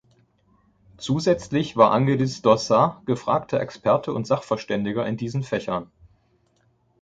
Zusätzlich war Angelis d’Ossat gefragter Experte und Sachverständiger in diesen Fächern.